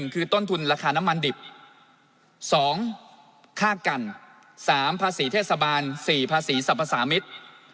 คือต้นทุนราคาน้ำมันดิบ๒ค่ากัน๓ภาษีเทศบาล๔ภาษีสรรพสามิตร